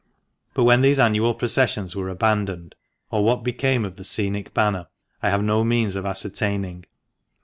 But when these annual processions were abandoned, or what became of the scenic banner, I have no means of ascertaining.